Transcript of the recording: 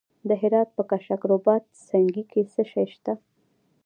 د هرات په کشک رباط سنګي کې څه شی شته؟